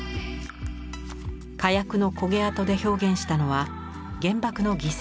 火薬の焦げ跡で表現したのは原爆の犠牲者の姿。